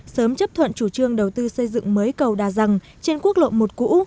sớm chấp thuận chủ trương đầu tư xây dựng mới cầu đa rằng trên quốc lộ một cũ